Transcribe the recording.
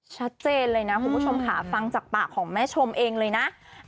ชัดเจนเลยนะคุณผู้ชมค่ะฟังจากปากของแม่ชมเองเลยนะ